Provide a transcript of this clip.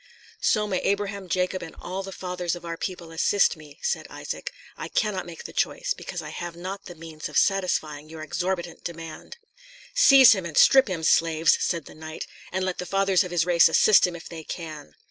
"So may Abraham, Jacob, and all the fathers of our people assist me," said Isaac; "I cannot make the choice, because I have not the means of satisfying your exorbitant demand." "Seize him, and strip him, slaves!" said the knight, "and let the fathers of his race assist him if they can."